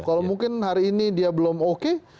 kalau mungkin hari ini dia belum oke